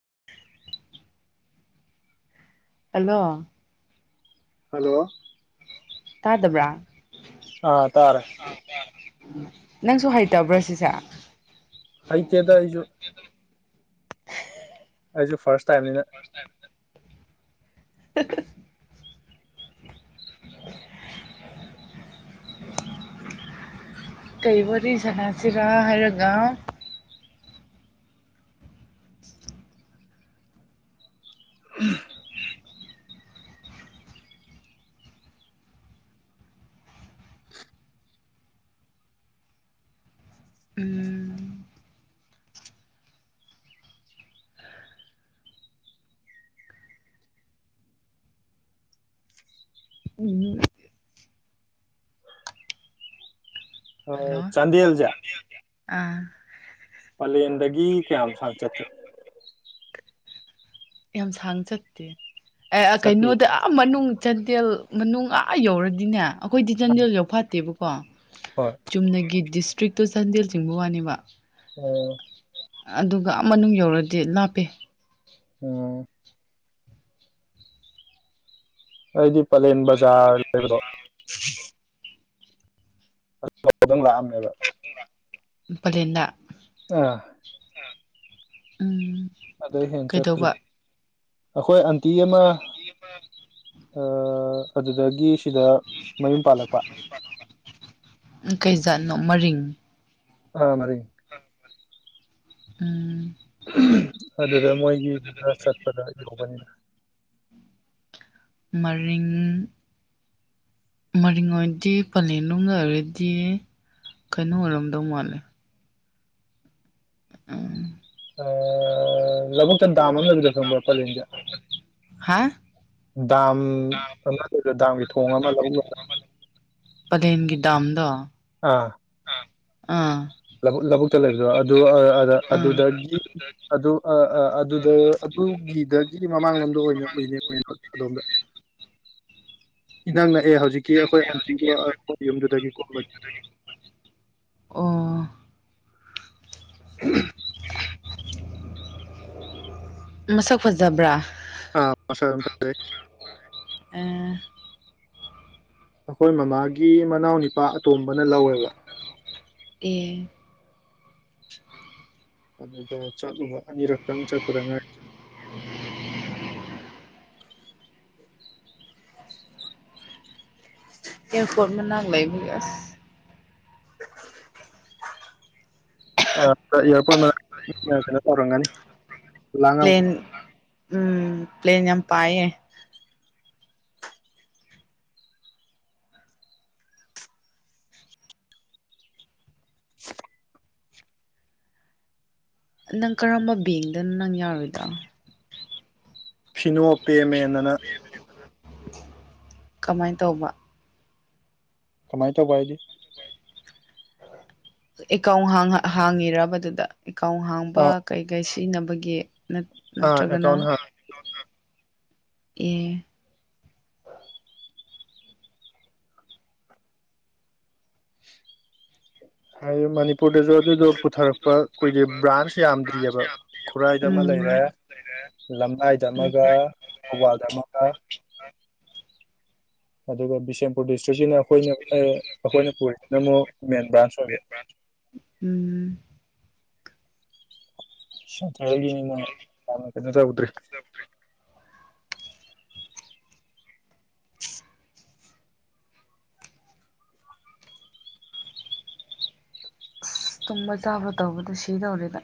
[inaudible] hello hello ꯇꯥꯗꯕ꯭ꯔꯥ ꯑꯥ ꯇꯥꯔꯦ ꯅꯪꯁꯨ ꯍꯩꯇꯕ꯭ꯔꯣ ꯁꯤꯁꯦ ꯍ ꯀꯦꯗꯁꯨꯣ [inaudible] ꯍꯥꯏ ꯐꯔꯁ ꯐꯁ [inaudible] ꯀꯩꯕꯨꯗꯤ ꯁꯅꯁꯤꯔꯥ ꯍꯥꯏꯔꯒ ꯎꯝ ꯎꯝ ꯍꯜꯂꯣ ꯆꯥꯟꯗꯦꯜꯖ ꯑꯥ ꯄꯂꯦꯟꯗꯒꯤ ꯀꯌꯥꯝꯨ ꯁꯥꯡ ꯆꯠꯀꯦ ꯌꯥꯝ ꯁꯥꯡ ꯆꯠꯇꯦ ꯑ ꯆꯠꯄꯤ ꯀꯩꯅꯣꯗ ꯑ ꯃꯅꯨꯡ ꯆꯥꯟꯗꯦꯜ ꯃꯅꯨꯡ ꯑꯥ ꯌꯧꯔꯗꯤꯅꯦ ꯑꯩꯈꯣꯏꯗꯤ ꯆꯥꯟꯗꯦꯜ ꯌꯥꯎ ꯐꯠꯇꯦꯕ ꯀ ꯍꯣꯏ ꯆꯨꯝꯅꯒꯤ ꯗꯤꯁ ꯏꯁꯇ꯭ꯔꯤꯛꯇꯨ ꯆꯥꯟꯗꯦꯜ ꯆꯤꯡꯕ ꯋꯥꯅꯦꯕ ꯑꯣ ꯑꯗꯨꯒ ꯃꯅꯨꯡ ꯌꯧꯔꯗꯤ ꯂꯥꯞꯄꯦ ꯎꯝ ꯑꯩꯗꯤ ꯄꯂꯦꯟ ꯕꯖꯥꯔ ꯂꯩꯕꯗꯣ ꯣ ꯗꯪ ꯂꯥꯛꯑꯝꯃꯦꯕ ꯏꯗꯤꯅ ꯑꯥ ꯎꯝ ꯑꯗꯩ ꯍ ꯆꯠꯇꯔꯤ ꯀꯩꯗꯧꯕ ꯑꯩꯈꯣꯏ ꯑ ꯇꯤ ꯑꯃ ꯑꯗꯨꯗꯒꯤ ꯁꯤꯗ ꯃꯌꯨꯝ ꯄꯥꯜꯂꯛꯄ ꯀꯩꯖꯥꯠꯅꯣ ꯃꯔꯤꯡ ꯑꯥ ꯃꯔꯤ ꯎꯝ ꯑꯗꯨꯗ ꯃꯣꯏꯒꯤ ꯆꯠꯄꯗ ꯌꯧꯕꯅꯤꯅ ꯃꯔꯤꯡ ꯃꯔꯤꯡ ꯑꯣꯏꯔꯗꯤ ꯄꯂꯦꯟ ꯅꯨꯡ ꯑꯣꯏꯔꯗꯤ ꯀꯩꯅꯣ ꯑꯣꯏꯔꯝꯗꯧ ꯃꯥꯜꯂꯦ ꯑ ꯂ ꯈꯤꯇꯪ ꯗꯥꯝ ꯑꯃ ꯂꯩꯕꯗꯣ ꯈꯪꯕ꯭ꯔꯥ ꯄꯂꯦꯟꯁꯦ ꯍꯥ ꯗꯥꯝ ꯂꯩꯕꯗ ꯗꯥꯝꯒꯤ ꯊꯣꯡ ꯑꯃ ꯂ ꯄꯗꯦꯟꯒꯤ ꯗꯥꯝꯗ ꯑ ꯑꯥ ꯂꯧꯕꯨꯛꯇ ꯂꯩꯕꯗꯣ ꯑꯗꯨ ꯑ ꯑꯥ ꯑꯗꯨꯗꯒꯤ ꯑꯗꯨ ꯑꯗꯨ ꯑꯗꯨꯒꯤꯗꯒꯤꯗꯤ ꯃꯃꯥꯡꯂꯣꯝꯗ ꯑꯣꯏꯅ ꯎꯅꯦ ꯑꯗꯣꯝꯗ ꯏꯪ ꯑꯦ ꯍꯧꯖꯤꯛꯀꯤ ꯑꯩꯈꯣꯏ ꯑꯟꯇ ꯌꯨꯝꯗꯨꯗꯒꯤ ꯀꯣ ꯑꯣ [inaudible] ꯃꯁꯛ ꯐꯖꯕ꯭ꯔꯥ ꯑ ꯃꯦ ꯑ ꯑꯩꯈꯣꯏ ꯃꯃꯥꯒꯤ ꯃꯅꯥꯎ ꯅꯤꯄꯥ ꯑꯇꯣꯝꯕꯅ ꯂꯧꯋꯦꯕ ꯑꯦ ꯑꯗꯨ ꯆꯅꯤ ꯇꯝ ꯆꯈ꯭ꯔꯃꯦ ꯑꯦꯔꯄꯣꯠ ꯃ ꯅꯪꯂꯥꯏꯕꯤꯒꯁ ꯑ ꯏꯌꯥꯔꯄꯣꯔꯠ ꯀꯩꯅꯣ ꯇꯧꯔꯝꯒꯅꯤ ꯂꯥꯡꯉꯝ ꯄ꯭ꯂ꯭ꯂꯟ ꯎꯝ ꯄ꯭ꯂꯟ ꯌꯥꯝ ꯄꯌꯦ [inaudible] ꯅꯪ ꯀꯔꯝꯕ ꯕꯦꯡꯗꯅꯣ ꯅꯪ ꯌꯥꯔꯣꯏꯗꯣ ꯐꯅꯣꯞ ꯄꯦꯃꯦꯦꯟꯗꯅ ꯀꯃꯥꯏꯅ ꯇꯧꯕ ꯀꯃꯥꯏꯅ ꯇꯧꯕ ꯍꯥꯏꯗꯤ ꯑꯦꯀꯥꯎ ꯍꯥꯡꯉꯤꯔꯕꯗꯨꯗ ꯏꯀꯥꯎ ꯍꯥꯡꯕ ꯑꯥ ꯀꯩ ꯀꯩ ꯇꯅꯕꯒꯤ ꯅꯠ ꯑꯥ ꯅꯠꯇ꯭ꯔꯒꯅ ꯑꯦꯀꯥꯎꯟ ꯍꯥꯡ ꯑꯦ ꯍꯥꯏꯌꯨ ꯃꯅꯤ ꯃꯅꯤꯄꯨꯔꯗꯁꯨ ꯑꯗꯨꯗꯣ ꯄꯨꯊꯔꯛꯄ ꯑꯩꯈꯣꯏꯒꯤ ꯕ꯭ꯔꯥꯟꯁ ꯌꯥꯝꯗ꯭ꯔꯤꯑꯕ ꯈꯨꯔꯥꯏꯗ ꯑꯃ ꯎꯝ ꯂꯩꯔꯦ ꯎꯝ ꯂꯝꯂꯥꯏꯗ ꯑꯃꯒ ꯊꯧꯕꯥꯜꯗ ꯑꯃꯒ ꯑꯗꯨꯒ ꯕꯤꯁꯝ ꯃꯅꯤꯄꯨꯔ ꯗꯤꯁꯇ꯭ꯔꯤꯛꯀꯤꯅ ꯑꯩꯈꯣꯏꯅ ꯑꯦ ꯑꯩꯈꯣꯏꯅ ꯄꯨꯔꯤꯅ ꯑꯃꯨꯛ ꯃꯦꯟ ꯕ꯭ꯔꯥꯟꯁ ꯑꯣꯏꯕ ꯎꯝ ꯁ ꯍꯒꯤꯅꯤꯅꯃ ꯀꯩꯅꯁ ꯍꯗ꯭ꯔꯤ ꯑꯁ ꯇꯨꯝꯕ ꯆꯥꯕ ꯇꯧꯕꯗꯣ ꯁꯤ ꯇꯧꯔꯤꯗ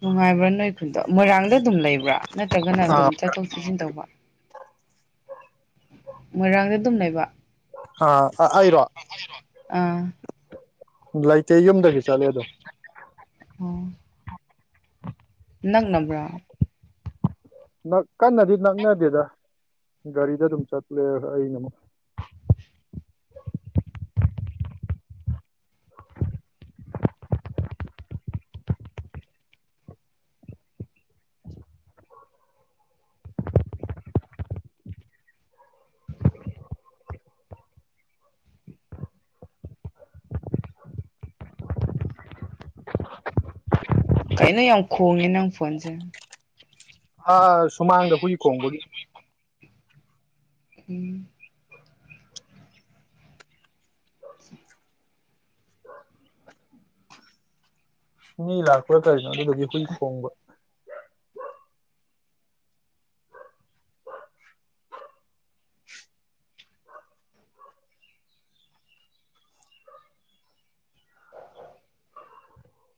ꯅꯨꯡꯉꯥꯏꯕ꯭ꯔꯥ ꯅꯣꯏ ꯈꯨꯟꯗꯣ ꯃꯣꯏꯔꯥꯡꯗ ꯑꯗꯨꯝ ꯂꯩꯕ꯭ꯔꯥ ꯅꯠꯇ꯭ꯔꯒꯅ ꯑꯗꯨꯝ ꯑꯥ ꯆꯠꯊꯣꯛ ꯆꯠꯁꯤꯟ ꯇꯧꯕ [unintelligible] ꯃꯣꯏꯔꯥꯡꯗ ꯑꯗꯨꯝ ꯂꯩꯕ ꯑ ꯑꯩꯏꯔꯣ ꯑꯥ ꯂꯩꯇꯦ ꯌꯨꯝꯗꯒꯤ ꯆꯠꯂꯦ ꯑꯗꯨꯣꯝ ꯑꯣ ꯅꯪ ꯅꯕ꯭ꯔꯥ ꯀꯟꯅꯗꯤ ꯅꯛꯅꯗꯦꯗ ꯒꯥꯔꯤꯗ ꯑꯗꯨꯝ ꯆꯠꯂꯨꯔꯦ ꯑꯩꯅ ꯑꯃꯨꯛ ꯀꯩꯅꯣ ꯌꯥꯝ ꯈꯣꯡꯉꯦ ꯅꯪ ꯐꯣꯟꯁꯦ ꯑꯥ ꯁꯨꯃꯥꯡꯗ ꯍꯨꯏ ꯈꯣꯡꯕꯒꯤ ꯎꯝ ꯃꯤ ꯂꯥꯛꯄꯔꯥ ꯍꯥꯏꯇꯥꯔꯤꯅꯣ ꯑꯗꯨꯗꯒꯤ ꯍꯨꯏ ꯈꯣꯡꯕ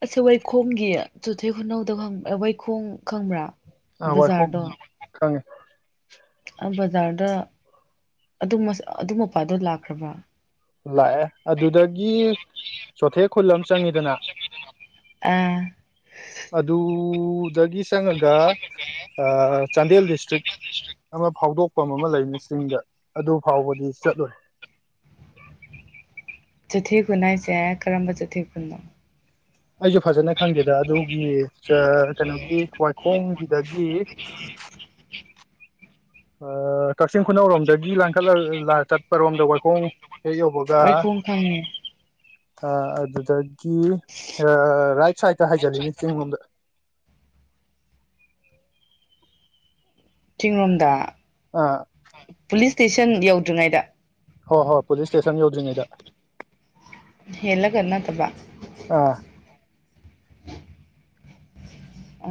ꯑꯁ ꯋꯥꯏꯈꯣꯡꯒꯤ ꯆꯨꯊ ꯈꯨꯅꯧꯗꯕ ꯋꯥꯏꯈꯣꯡ ꯈꯪꯕ꯭ꯔꯥ ꯑꯥ ꯋꯥꯏꯈ ꯕꯖꯥꯔꯗꯣ ꯈꯪꯉꯦ ꯕꯖꯥꯔꯗ ꯑꯗꯨ ꯑꯗꯨ ꯃꯄꯥꯗꯣ ꯂꯥꯛꯈ꯭ꯔꯕ ꯂꯥꯛꯑꯦ ꯑꯗꯨꯗꯒꯤ ꯆꯣꯊꯦꯠ ꯈꯨꯜ ꯑꯃ ꯆꯪꯉꯤꯗꯅ ꯑꯥ ꯑꯗꯨ ꯑꯗꯨꯗꯒꯤ ꯆꯪꯉꯒ ꯆꯥꯟꯗꯦꯜ ꯗꯤꯁꯇ꯭ꯔꯤꯛ ꯑꯃ ꯐꯥꯎꯗꯣꯛ ꯑꯃꯥ ꯂꯩꯕꯥꯅꯤ ꯆꯤꯡꯗ ꯑꯗꯨ ꯐꯥꯎꯕꯗꯤ ꯆꯠꯂꯨꯔꯦ ꯆꯩꯊꯤ ꯈꯨꯟ ꯍꯥꯏꯁꯦ ꯀꯔꯝꯕ ꯆꯩꯊꯤ ꯈꯨꯅꯣ ꯑꯩꯁꯨ ꯐꯖꯅ ꯈꯪꯒꯦꯗ ꯑꯗꯨꯒꯤ ꯀꯩꯅꯣꯒꯤ ꯋꯥꯏꯈꯣꯡꯒꯤꯗꯒꯤ ꯑꯣ ꯀꯛꯆꯤꯡ ꯈꯨꯅꯧꯔꯣꯝꯗꯒꯤ ꯂꯥꯡꯈꯠꯂ ꯆꯠꯄꯔꯣꯝꯗ ꯋꯥꯏꯈꯣꯡ ꯍꯦꯛ ꯌꯧꯕꯒ ꯋꯥꯏꯈꯣꯡ ꯈꯪꯉꯦ ꯑꯗꯨꯗꯒꯤ ꯔꯥꯏꯠ ꯁꯥꯏꯠꯇ ꯍꯥꯏꯖꯜꯂꯤꯅꯦ ꯆꯤꯡ ꯂꯣꯝꯗ ꯆꯤꯡꯂꯣꯝꯗ ꯑꯥ ꯏꯁꯇꯦꯁꯟ ꯌꯧꯗ꯭ꯔꯤꯉꯩꯗ ꯍꯣꯏ ꯍꯣꯏ ꯄꯨꯂꯤꯁ ꯏꯁꯇꯦꯁꯟ ꯌꯧꯗ꯭ꯔꯤꯉꯩꯗ ꯀ ꯅꯠꯇꯕ ꯑꯥ ꯑ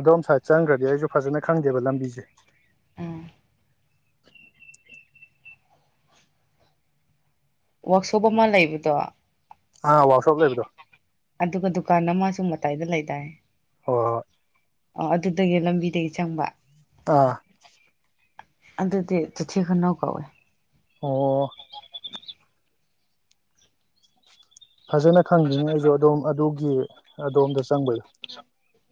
ꯑꯗꯣꯝ ꯁ꯭ꯋꯥꯏꯗ ꯆꯪꯈ꯭ꯔꯗꯤ ꯑꯩꯁꯨ ꯐꯖꯅ ꯈꯪꯗꯦꯕ ꯂꯝꯕꯤꯁꯦ ꯑꯥ ꯋꯥꯛꯁꯣꯞ ꯑꯃ ꯂꯩꯕꯗꯣ ꯑꯥ ꯋꯥꯛꯁꯣꯞ ꯂꯩꯕꯗꯣ ꯑꯗꯨꯒ ꯗꯨꯀꯥꯟ ꯑꯃ ꯑꯗꯨ ꯃꯇꯥꯏꯗ ꯂꯩꯗꯥꯏ ꯋꯥ ꯑꯥ ꯑꯗꯨꯗꯒꯤ ꯂꯝꯕꯤꯗꯒꯤ ꯆꯪꯕ ꯑꯥ ꯑꯗꯨꯗꯤ ꯆꯤꯊꯤ ꯈꯨꯅꯣ ꯀꯧꯋꯦ ꯑꯣ ꯐꯖꯅ ꯈꯪꯈꯤꯅꯤ ꯑꯩꯁꯨ ꯑꯗꯨꯝ ꯑꯗꯨ ꯒꯤ ꯑꯗꯣꯝꯗ ꯆꯪꯕꯩꯗꯣ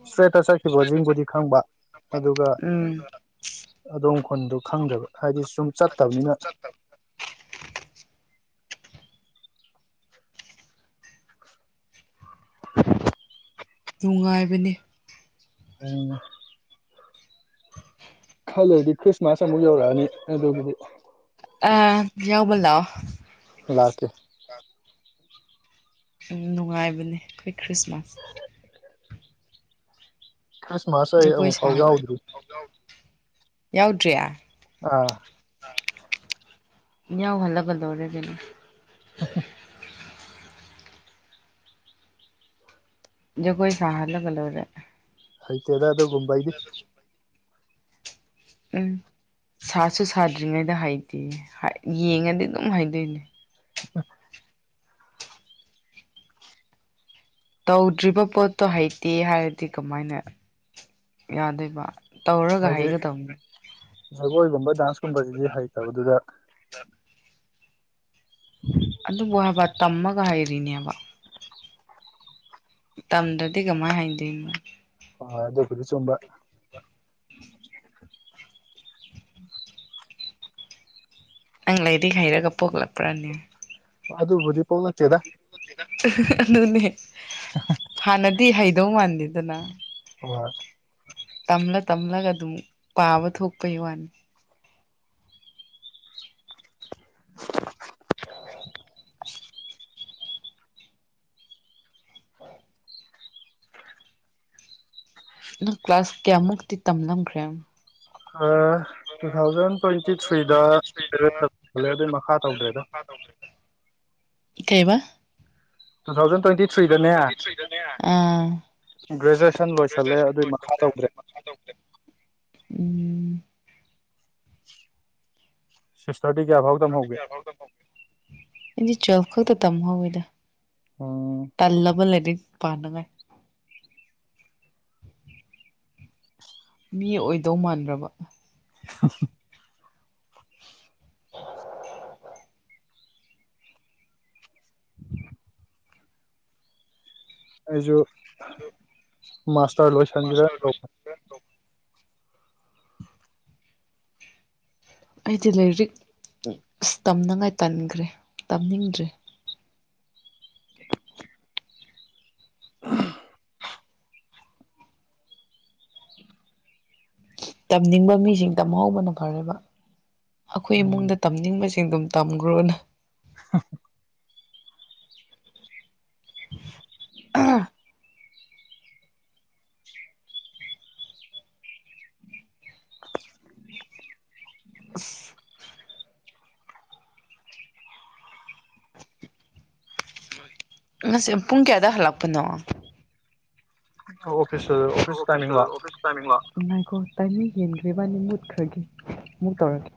ꯏꯁꯇ꯭ꯔꯦꯠꯇ ꯆꯠꯈꯤꯕ ꯤꯡꯕꯨꯗꯤ ꯈꯪꯕ ꯑꯗꯨꯒ ꯎꯝ ꯑꯗꯣꯡꯝ ꯈꯨꯟꯗꯨ ꯈꯪꯗꯕ ꯍꯥꯏꯗꯤ ꯁꯨꯝ ꯆꯠꯇꯕꯅꯤꯅ ꯅꯨꯡꯉꯥꯏꯕꯅꯤ ꯑꯗꯨꯅ ꯈꯜꯂꯦꯗꯤ ꯈ꯭ꯔꯤꯁꯃꯥꯁ ꯑꯃꯨꯛ ꯌꯧꯔꯛꯑꯅꯤ ꯑꯗꯨꯒꯤꯗꯤ ꯌꯥꯎꯕꯣꯂ ꯂꯥꯛꯀꯦ ꯅꯨꯡꯉꯥꯏꯕꯅꯦ ꯑꯩꯈꯣꯏ ꯈ꯭ꯔꯤꯁꯃꯥꯁ ꯈ꯭ꯔꯤꯁꯃꯥꯁ ꯑꯩ ꯑꯃꯨꯛ ꯐꯥꯎ ꯌꯥꯎꯗ꯭ꯔꯤ ꯌꯥꯎꯗ꯭ꯌꯥ ꯑꯥ ꯏꯎ ꯍꯜꯂꯒꯗꯧꯔꯔꯦꯗꯅꯤ [inaudible] ꯌ ꯀꯣꯏ ꯁꯍꯂ ꯀꯂꯔꯗꯦ ꯍꯥꯏꯦ ꯑꯗꯨ ꯃꯨꯝꯕꯥꯩꯗꯤ ꯎꯝ ꯁꯥꯁꯨ ꯁꯥꯗ꯭ꯔꯤꯉꯩꯗ ꯍꯥꯏꯩꯇꯦ ꯌꯦꯡꯉꯗꯤ ꯑꯗꯨꯝ ꯍꯥꯏꯗꯣꯏꯅꯦ [inaudible] ꯇꯧꯗ꯭ꯔꯤꯕ ꯄꯣꯠꯇꯣ ꯍꯩꯇꯦ ꯍꯥꯏꯔꯗꯤ ꯀꯃꯥꯏꯅ ꯌꯥꯗꯣꯏꯕ ꯇꯧꯔꯒ ꯍꯥꯏꯒꯗꯧꯅꯤ ꯖꯕꯣꯏꯒꯨꯝꯕ ꯗꯥꯟꯁꯀꯨꯝꯕꯁꯤꯗꯤ ꯍꯩꯇꯕꯗꯨꯗ ꯑꯗꯨꯕꯨ ꯍꯥꯏꯕ ꯇꯝꯃꯒ ꯍꯥꯏꯔꯤꯅꯦꯕ ꯇꯝꯗ꯭ꯔꯗꯤ ꯀꯃꯥꯏ ꯍꯥꯏꯗꯣꯏꯃ ꯍ ꯑꯗꯨꯗꯣ ꯀꯗꯤ ꯆꯨꯝꯕ ꯅꯪ ꯂꯩꯔꯤ ꯍꯩꯔꯒ ꯄꯣꯛꯂꯛꯄ꯭ꯔꯅꯦ ꯑꯗꯨꯕꯨꯗꯤ ꯐꯅꯠꯇꯦꯗ ꯅꯅꯦ ꯍꯅꯗꯤ ꯗꯤ ꯍꯩꯗꯧ ꯃꯥꯟꯗꯦꯗꯅ ꯑꯔ ꯇꯝꯂ ꯇꯝꯂꯒ ꯑꯗꯨꯝ ꯄꯥꯕ ꯊꯣꯛꯄꯩ ꯋꯥꯅꯤ [inaudible] ꯅꯪ ꯀ꯭ꯂꯥꯁ ꯀꯌꯥꯃꯨꯛꯇꯤ ꯇꯝꯂꯝꯈ꯭ꯔꯦ ꯇꯨ ꯊꯥꯎꯖꯟ ꯇ꯭ꯋꯦꯟꯇꯤ ꯊ꯭ꯔꯤꯗꯂꯦ ꯑꯗꯨꯏ ꯃꯈꯥ ꯇꯧꯗ꯭ꯔꯦꯗ ꯏꯀꯕ ꯇꯨ ꯊꯥꯎꯖꯟ ꯇ꯭ꯋꯦꯟꯇꯤ ꯇ ꯊ ꯊ꯭ꯔꯤꯗꯅꯦ ꯇ꯭ꯋꯦꯟꯇꯤ ꯊ꯭ꯔꯤꯗꯅꯦꯦꯁ ꯒ꯭ꯔꯦꯖꯨꯑꯦꯁꯟ ꯂꯣꯏꯁꯜꯂꯦ ꯂꯣꯏꯜꯂꯦ ꯑꯗꯨꯏ ꯃꯈꯥ ꯇꯧꯗ꯭ꯔꯦ ꯑꯗꯨ ꯇ ꯎꯝ ꯁꯁ ꯆꯣ ꯈꯛꯇ ꯇꯝꯍꯧꯋꯦꯗ ꯎꯝ ꯇꯥꯟ ꯂꯕ ꯂꯩꯗꯤ ꯄꯅꯒ ꯃꯤ ꯑꯣꯏꯗꯧ ꯃꯥꯟ꯭ꯔꯕ [inaudible] [inaudible] [inaudible] ꯑꯩꯁꯨꯣ ꯃꯥꯁ ꯔ ꯂꯣꯏꯁꯤꯟꯖꯔꯦ ꯑꯩꯗꯤ ꯂꯥꯏꯔꯤꯛ ꯑꯁ ꯇꯝꯅꯉꯥꯏ ꯇꯟꯈ꯭ꯔꯦ ꯇꯝꯅꯤꯡꯗ꯭ꯔꯦ ꯇꯝꯅꯤꯡꯕ ꯃꯤꯁꯤꯡ ꯇꯝꯍꯧꯕꯅ ꯐꯔꯦꯕ ꯑꯩꯈꯣꯏ ꯎꯝ ꯏꯃꯨꯡꯗ ꯇꯝꯅꯤꯡꯕꯁꯦ ꯏꯁꯤꯡ ꯑꯗꯨꯝ ꯇꯝꯈ꯭ꯔꯣꯅ [inaudible] ꯑ ꯑꯁ ꯃꯁ ꯄꯨꯡ ꯀꯌꯥꯗ ꯍꯜꯂꯛꯄꯗ ꯑꯣꯐꯤꯁꯁ ꯑꯣꯐꯤꯁ ꯇꯥꯏꯃꯤꯡꯥ ꯀꯣ ꯇꯥꯏꯃꯤ ꯍꯦꯟꯈ꯭ꯦꯕꯥꯅꯤ ꯃꯨꯠꯈ꯭ꯔꯒꯤ ꯑꯃꯨꯛ ꯇꯧꯔꯒꯦ